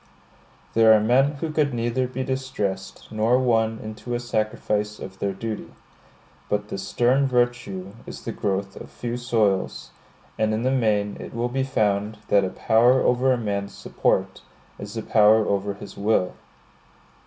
There are men who could neither be distressed nor won into a sacrifice of their duty; but this stern virtue is the growth of few soils; and in the main it will be found that a power over a man's support is a power over his will.